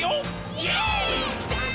イエーイ！！